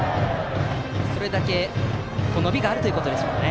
それだけ伸びがあるということでしょうね。